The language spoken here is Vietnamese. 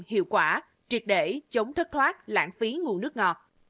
hiệu quả triệt để chống thất thoát lãng phí nguồn nước ngọt